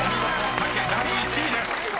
「鮭」第１位です］